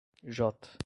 J